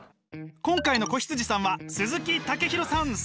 今回の子羊さんは鈴木健大さん